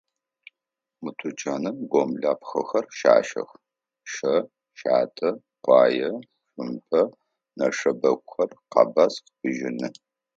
Мы тучаным гъомлапхъэхэр щащэх: щэ, щатэ, къуае, цумпэ, нэшэбэгухэр, къэбаскъ, бжьыны.